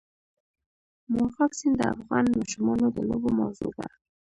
مورغاب سیند د افغان ماشومانو د لوبو موضوع ده.